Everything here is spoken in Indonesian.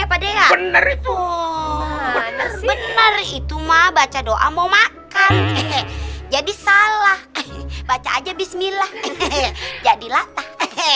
apa deh ya bener itu mah baca doa mau makan jadi salah baca aja bismillah jadi latak